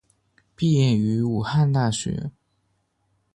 毕业于武汉大学。